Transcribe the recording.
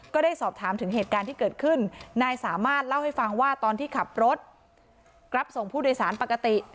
ก็ได้สอบถามถึงเหตุการณ์ที่เกิดขึ้นนายสามารถเล่าให้ฟังว่าตอนที่ขับรถรับส่งผู้โดยสารปกติ